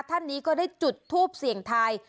ท่านนี้ก็ได้จุดทูปเสี่ยงทาย